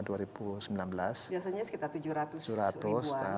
biasanya sekitar tujuh ratus ribuan